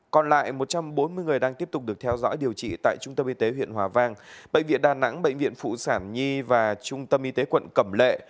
còn lại một trăm bốn mươi người đang tiếp tục được theo dõi điều trị tại trung tâm y tế huyện hòa vang bệnh viện đà nẵng bệnh viện phụ sản nhi và trung tâm y tế quận cẩm lệ